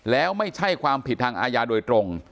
แล้วไม่ใช่ความผิดทางอาญาโดยตรง